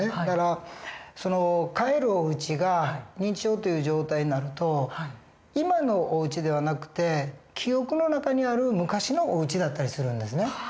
だからその帰るおうちが認知症という状態になると今のおうちではなくて記憶の中にある昔のおうちだったりするんですね。